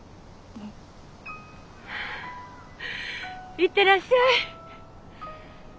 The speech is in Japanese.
行ってらっしゃい。